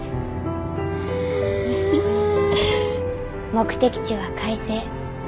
目的地は快晴。